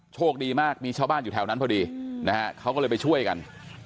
โชคดีมากมีชาวบ้านอยู่แถวนั้นพอดีนะฮะเขาก็เลยไปช่วยกัน